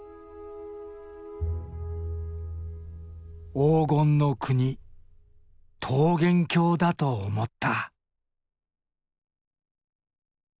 黄金の国桃源郷だと思った。